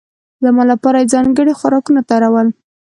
زما لپاره یې ځانګړي خوراکونه تيارول.